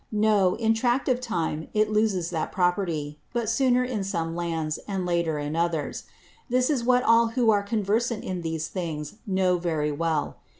No, in Tract of time it loses that Property; but sooner in some Lands, and later in others: This is what all who are conversant in these things know very well.